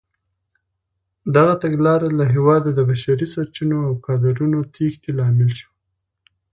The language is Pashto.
دغه تګلاره له هېواده د بشري سرچینو او کادرونو تېښتې لامل شوه.